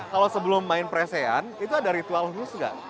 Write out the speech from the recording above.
kalau sebelum main presian itu ada ritual khusus gak